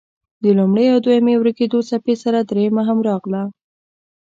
د لومړۍ او دویمې ورکېدو څپې سره دريمه هم راغله.